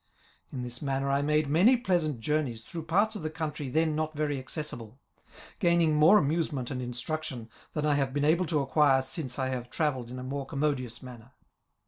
In this manner I made many pleasant journeys through parts of the country then not very accessible, gaining more amusement and instruction than I have been able to acquire since I have travelled in a more commodious manner.